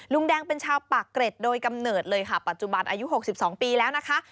ลุงแดงเป็นชาวปากเกร็ดโดยกำเนิดเลยค่ะปัจจุบันอายุ๖๒ปีแล้วนะคะ